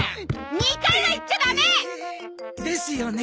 ２階は行っちゃダメ！ですよね。